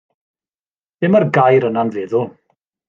Be' mae'r gair yna 'n feddwl?